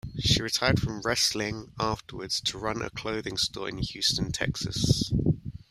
She retired from wrestling afterwards to run a clothing store in Houston, Texas.